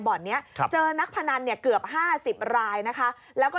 บ่อนนี้ครับเจอนักพนันเนี่ยเกือบห้าสิบรายนะคะแล้วก็